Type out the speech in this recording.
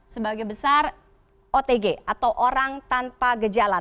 sebagai besar otg atau orang tanpa gejala